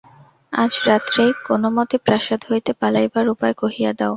আজ রাত্রেই কোন মতে প্রাসাদ হইতে পালাইবার উপায় কহিয়া দাও!